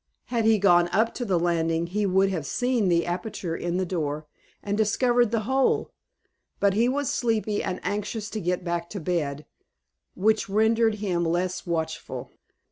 Had he gone up to the landing he would have seen the aperture in the door, and discovered the hole, but he was sleepy, and anxious to get back to bed, which rendered him less watchful.